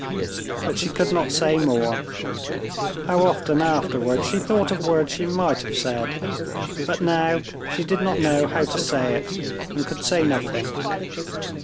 but she could not say more. How often afterwards she thought of words she might have said. But now she did not know how to say it, and could say nothing.